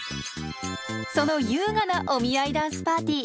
その優雅なお見合いダンスパーティー。